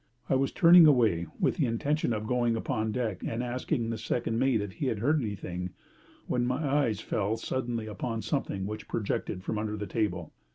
I was turning away, with the intention of going upon deck and asking the second mate if he had heard anything, when my eyes fell suddenly upon something which projected from under the table.